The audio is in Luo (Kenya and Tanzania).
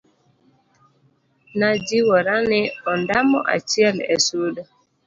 najiwora ni ondamo achiel e sudo